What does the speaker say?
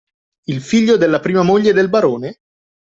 Il figlio della prima moglie del barone?